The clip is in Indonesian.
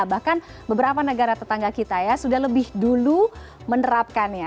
bahkan beberapa negara tetangga kita ya sudah lebih dulu menerapkannya